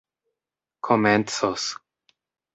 komencos